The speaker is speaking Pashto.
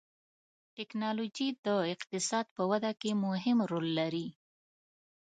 ټکنالوجي د اقتصاد په وده کې مهم رول لري.